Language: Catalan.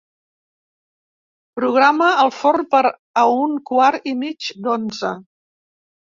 Programa el forn per a un quart i mig d'onze.